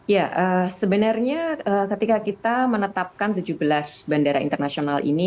ya sebenarnya ketika kita menetapkan tujuh belas bandara internasional ini